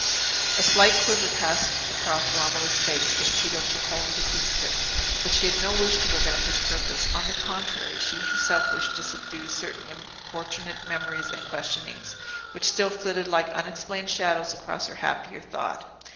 A slight quiver passed across Romola's face as Tito took hold of the crucifix. But she had no wish to prevent his purpose; on the contrary, she herself wished to subdue certain importunate memories and questionings which still flitted like unexplained shadows across her happier thought.